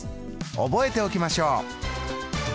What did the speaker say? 覚えておきましょう。